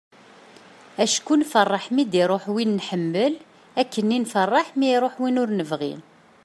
acku nfeṛṛeḥ mi d-iruḥ win nḥemmel akken i nfeṛṛeḥ mi iruḥ win ur nebɣi